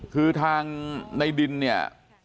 คือทางในดินเนี่ย